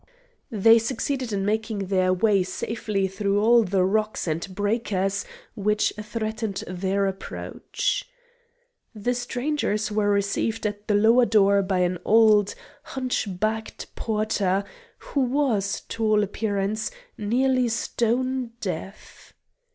They succeeded in making their way safely through all the rocks and breakers which threatened their approach. The strangers were received at the lower door by an old, hunch backed porter, who was, to all appearance, nearly stone deaf.